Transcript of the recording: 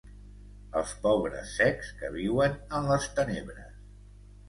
Els pobres cecs, que viuen en les tenebres.